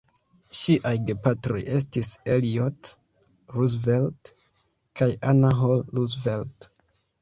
Ŝiaj gepatroj estis Elliott Roosevelt kaj Anna Hall Roosevelt.